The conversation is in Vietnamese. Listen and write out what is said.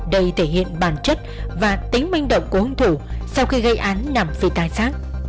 đây thể hiện bản chất và tính manh động của hương thủ sau khi gây án nằm phía tài xác